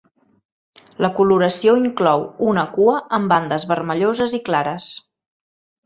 La coloració inclou una cua amb bandes vermelloses i clares.